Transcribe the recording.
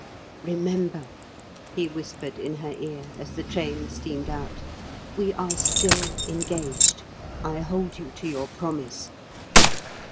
"Remember," he whispered in her ear, as the train steamed out, "we are still engaged; I hold you to your promise."